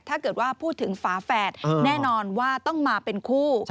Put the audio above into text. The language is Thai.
ถ้าเกิดว่าพูดถึงฝาแฝดแน่นอนว่าต้องมาเป็นคู่